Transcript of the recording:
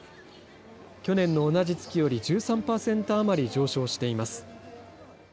去年の同じ月より１３％余り上昇しています。